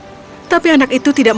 sang pohon senang bisa membantu anak itu